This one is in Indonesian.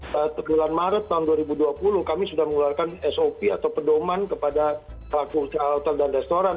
di bulan maret dua ribu dua puluh kami sudah mengeluarkan sop atau pedoman kepada helokursel hotel dan restoran